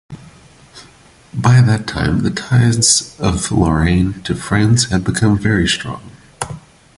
By that time, the ties of Lorraine to France had become very strong.